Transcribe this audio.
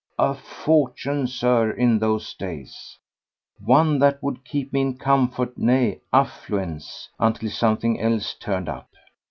A fortune, Sir, in those days! One that would keep me in comfort—nay, affluence, until something else turned up.